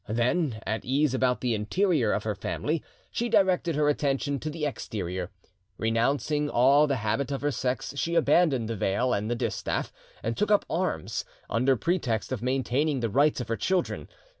Then, at ease about the interior of her family, she directed her attention to the exterior. Renouncing all the habit of her sex, she abandoned the veil and the distaff, and took up arms, under pretext of maintaining the rights of her children.